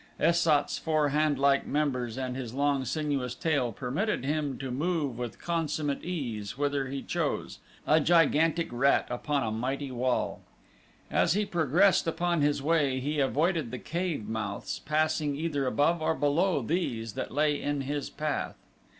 Es sat's four handlike members and his long, sinuous tail permitted him to move with consummate ease whither he chose a gigantic rat upon a mighty wall. As he progressed upon his way he avoided the cave mouths, passing either above or below those that lay in his path.